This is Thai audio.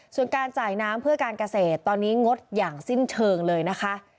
ส่วนการจ่ายน้ำเพื่อการเกษตรตอนนี้งดอย่างสิ้นเชิงเลยนะคะ